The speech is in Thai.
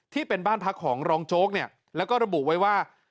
ที่เป็นบ้านพักของรองโจ๊กเนี่ยแล้วก็ระบุไว้ว่า